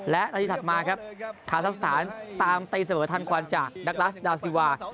และนาทีถัดมาครับคาซักสถานตามตีเสมอทันควันจากดักลัสดาวซิวา